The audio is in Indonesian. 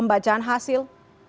kemudian pembacaan hasil